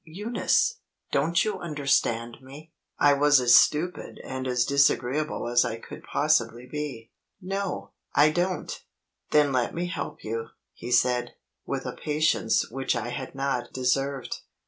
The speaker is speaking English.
"Eunice! don't you understand me?" I was as stupid and as disagreeable as I could possibly be: "No; I don't!" "Then let me help you," he said, with a patience which I had not deserved.